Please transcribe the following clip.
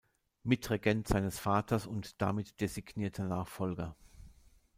Mitregent seines Vaters und damit designierter Nachfolger.